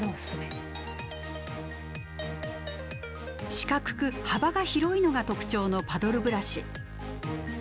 四角く幅が広いのが特徴のパドルブラシ。